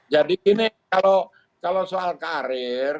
jadi ini kalau soal karir